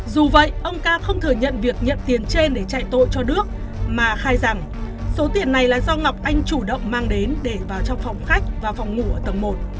dù vậy ông ca không thừa nhận việc nhận tiền trên để chạy tội cho đước mà khai rằng số tiền này là do ngọc anh chủ động mang đến để vào trong phòng khách và phòng ngủ ở tầng một